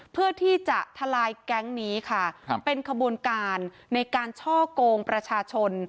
เพื่อที่จะทลายแก๊งนี้ค่ะครับเป็นขบวนการในการช่อกงประชาชน